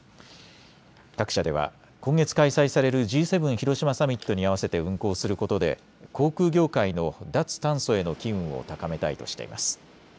各社では今月開催されるＧ７広島サミットに合わせて運航することで航空業界の脱炭素への機運を高めたいとしています。